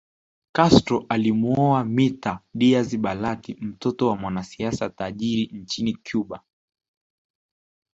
Castro alimuoa Mirta Diaz Balart mtoto wa mwanasiasa tajiri nchini Cuba